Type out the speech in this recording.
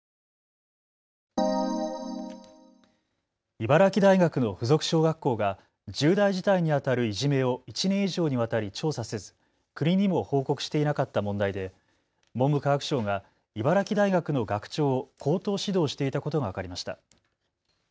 茨城大学の附属小学校が重大事態にあたるいじめを１年以上にわたり調査せず国にも報告していなかった問題で文部科学省が茨城大学の学長を口頭指導していたことが分かりました。